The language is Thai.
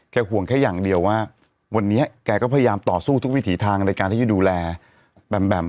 ห่วงแค่อย่างเดียวว่าวันนี้แกก็พยายามต่อสู้ทุกวิถีทางในการที่จะดูแลแบมแบม